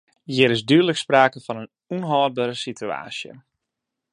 Hjir is dúdlik sprake fan in ûnhâldbere situaasje.